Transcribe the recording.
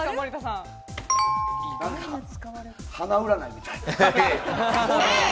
花占いみたいな？